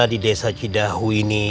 di desa cidahu ini